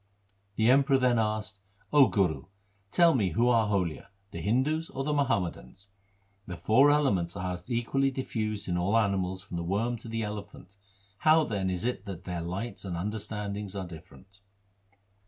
1 The Emperor then asked, ' 0 Guru, tell me who are holier, the Hindus or the Muhammadans. The four elements are equally diffused in all animals from the worm to the elephant, how then is it that their lights and understandings are different